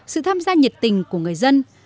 sự tham gia nhiệt tình của người dân